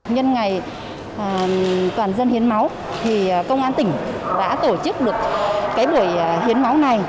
nhân ngày toàn dân hiến máu công an tỉnh đã tổ chức được buổi hiến máu này